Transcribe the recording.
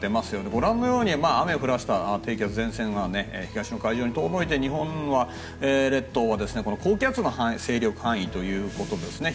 ご覧のように雨を降らした低気圧、前線は東の海上に遠のいて日本列島は高気圧の勢力範囲ということですね。